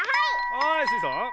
はいスイさん。